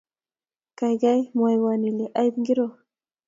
Kaikai mwoiwo iule aip ngiro